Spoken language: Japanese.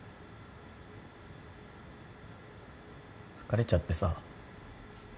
疲れちゃってさ。